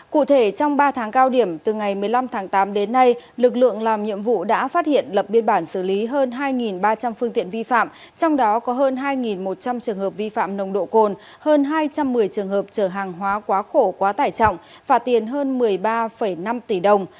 cụ thể trong ba tháng cao điểm từ ngày một mươi năm tháng tám đến nay lực lượng làm nhiệm vụ đã phát hiện lập biên bản xử lý hơn hai ba trăm linh phương tiện vi phạm trong đó có hơn hai một trăm linh trường hợp vi phạm nồng độ cồn hơn hai trăm một mươi trường hợp trở hàng hóa quá khổ quá tải trọng phạt tiền hơn một mươi ba năm tỷ đồng